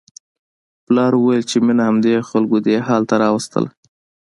پلار وویل چې مينه همدې خلکو دې حال ته راوستله